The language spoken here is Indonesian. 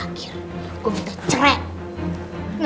nah kalo untuk yang perempuannya